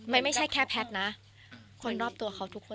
ไม่ใช่แค่แพทย์นะคนรอบตัวเขาทุกคน